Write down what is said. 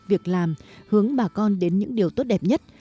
việc làm hướng bà con đến những điều tốt đẹp nhất